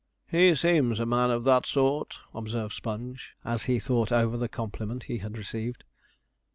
'He seems a man of that sort,' observed Sponge, as he thought over the compliment he had received.